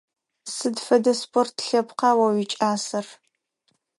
Сыд фэдэ спорт лъэпкъа о уикӀасэр?